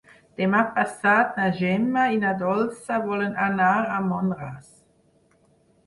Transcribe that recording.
Demà passat na Gemma i na Dolça volen anar a Mont-ras.